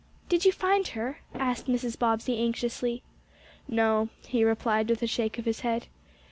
"Did you find her?" asked Mrs. Bobbsey anxiously. "No," he replied, with a shake of his head.